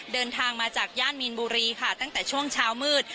เดินทางมาจากย่านมีนบุรีค่ะตั้งแต่ช่วงเช้ามืด